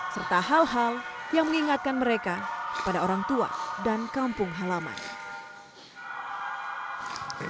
serta hal hal yang mengingatkan mereka kepada orang tua dan kampung halaman